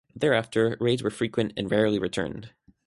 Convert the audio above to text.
Thereafter raids were frequent and rarely returned.